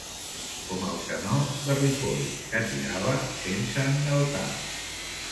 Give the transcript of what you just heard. Com el canó de Ripoll, que tirava sense engaltar.